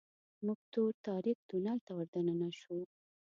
موټر تور تاریک تونل ته وردننه شو .